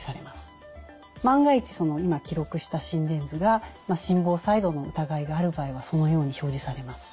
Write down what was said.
万が一今記録した心電図が心房細動の疑いがある場合はそのように表示されます。